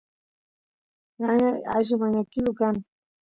ñañay alli mañakilu kan